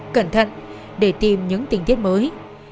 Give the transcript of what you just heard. cẩn thận để tìm những tình tiết mới